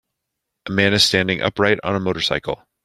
A man is standing upright on a motorcycle.